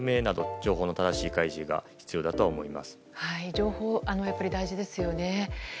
情報、やっぱり大事ですよね。